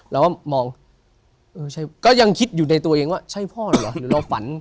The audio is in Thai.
เราก็มองก็ยังคิดอยู่ในตัวเองว่าใช่พ่อเหรอหรือเราฝัน